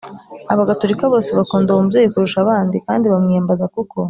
abagatolika gusa bakunda uwo mubyeyi kurusha abandi kandi bamwiyambaza, kuko